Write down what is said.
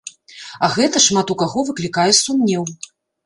А гэта шмат у каго выклікае сумнеў.